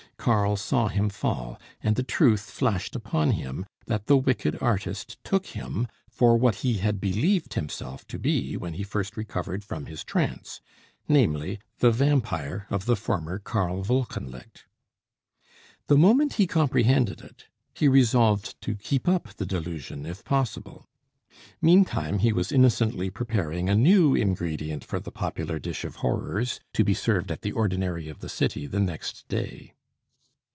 Karl saw him fall, and the truth flashed upon him that the wicked artist took him for what he had believed himself to be when first he recovered from his trance namely, the vampire of the former Karl Wolkenlicht. The moment he comprehended it, he resolved to keep up the delusion if possible. Meantime he was innocently preparing a new ingredient for the popular dish of horrors to be served at the ordinary of the city the next day.